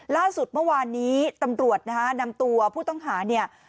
ล่าสุดเมื่อวานนี้ตำรวจนะฮะนำตัวผู้ต้องหาเนี่ย